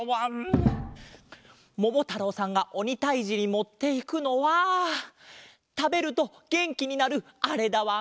ももたろうさんがおにたいじにもっていくのはたべるとげんきになるあれだわん。